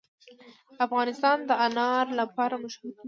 افغانستان د انار لپاره مشهور دی.